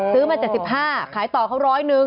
ซื้อมา๗๕ขายต่อเขานี่